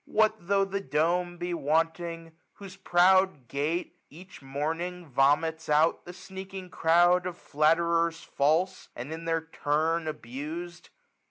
What tho* the dome be wanting, whose proud gate. Each morning, vomits out the sneaking crowd Of flatterers false, and in their turn abus'd